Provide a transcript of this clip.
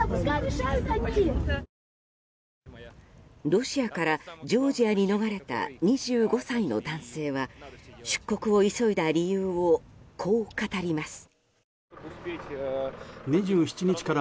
ロシアからジョージアに逃れた２５歳の男性は出国を急いだ理由をこう語ります。